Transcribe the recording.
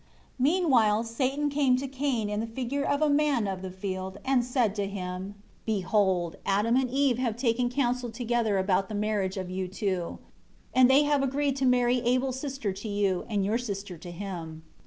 6 Meanwhile Satan came to Cain in the figure of a man of the field, and said to him, "Behold Adam and Eve have taken counsel together about the marriage of you two; and they have agreed to marry Abel's sister to you, and your sister to him.